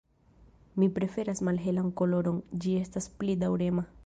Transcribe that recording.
Mi preferas malhelan koloron, ĝi estas pli daŭrema.